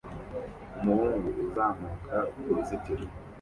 Umuhungu uzamuka kuruzitiro